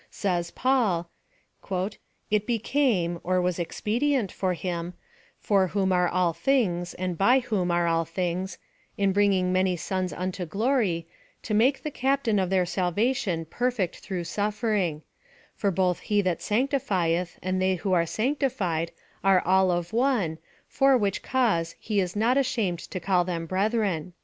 Says Paul— "It became (or was expe dient for) Him, for whom are all things, and by whom are all things, in bringing many sons unto glory, to make the captain of their salvation perfect through suffering ; for both he that sanctifieth and they who are sanctified are all of one, for which cause he is not ashamed to call them brethren."